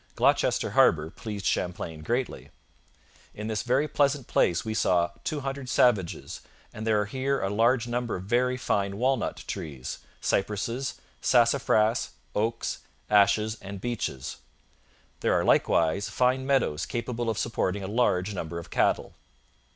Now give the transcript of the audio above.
Gloucester Harbour pleased Champlain greatly. 'In this very pleasant place we saw two hundred savages, and there are here a large number of very fine walnut trees, cypresses, sassafras, oaks, ashes and beeches....There are likewise fine meadows capable of supporting a large number of cattle.'